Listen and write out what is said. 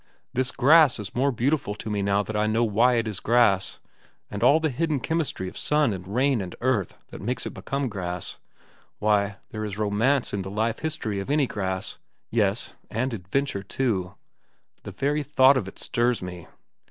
This grass is more beautiful to me now that I know why it is grass, and all the hidden chemistry of sun and rain and earth that makes it become grass. Why, there is romance in the life history of any grass, yes, and adventure, too. The very thought of it stirs me.